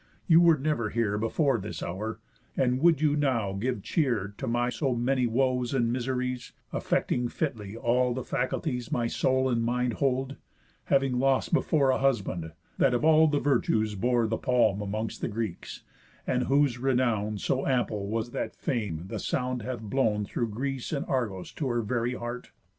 You were never here Before this hour, and would you now give cheer To my so many woes and miseries, Affecting fitly all the faculties My soul and mind hold, having lost before A husband, that of all the virtues bore The palm amongst the Greeks, and whose renown So ample was that Fame the sound hath blown Through Greece and Argos to her very heart?